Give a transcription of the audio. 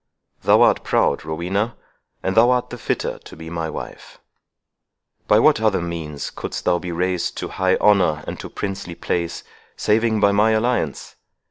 Thou art proud, Rowena, and thou art the fitter to be my wife. By what other means couldst thou be raised to high honour and to princely place, saving by my alliance?